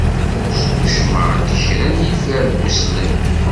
Squccemeɣ-d kra n yifer n weslen.